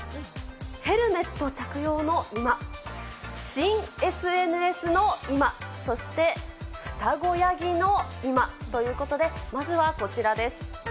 ヘルメット着用の今、新ＳＮＳの今、そして双子ヤギの今、ということで、まずはこちらです。